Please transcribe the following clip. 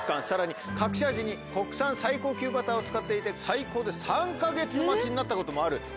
さらに隠し味に国産最高級バターを使っていて最高で３か月待ちになったこともある。